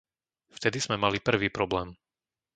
Vtedy sme mali prvý problém.